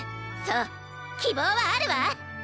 そう希望はあるわ。